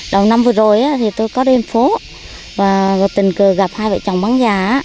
đầu năm vừa rồi thì tôi có đến phố và tình cờ gặp hai vợ chồng bán giá